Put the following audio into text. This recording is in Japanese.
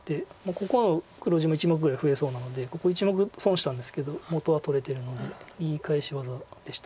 ここは黒地も１目ぐらい増えそうなのでここ１目損したんですけど元は取れてるのでいい返し技でした。